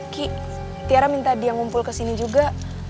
ki tiara minta dia ngumpul ke sini juga